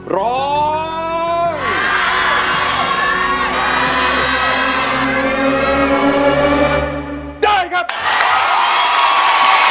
ร้องได้ให้ล้าง